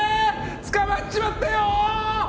捕まっちまったよ！